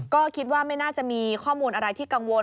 ก็คิดว่าไม่น่าจะมีข้อมูลอะไรที่กังวล